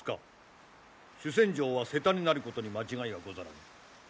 主戦場は瀬田になることに間違いはござらぬ。